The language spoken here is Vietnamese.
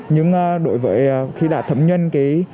nhưng đối với khi đã thấm nhân cái